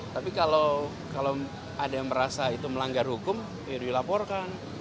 tapi kalau ada yang merasa itu melanggar hukum ya dilaporkan